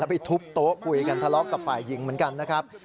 ไปทุบโต๊ะคุยกันทะเลาะกับฝ่ายหญิงเหมือนกันนะครับ